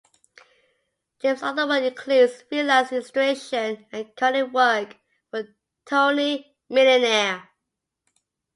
Jim's other work includes freelance illustration and coloring work for Tony Millionaire.